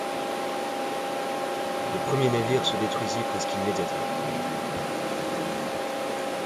Le premier navire se détruisit presque immédiatement.